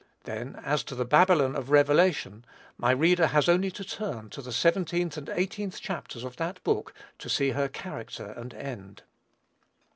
Then, as to the Babylon of Revelation, my reader has only to turn to the 17th and 18th chapters of that book to see her character and end.